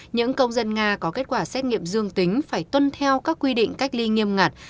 những công dân nga có kết quả xét nghiệm dương tính phải tuân theo các quy định cách ly nghiêm ngặt